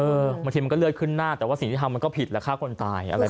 บางทีมันก็เลือดขึ้นหน้าแต่ว่าสิ่งที่ทำมันก็ผิดแล้วฆ่าคนตายอะไร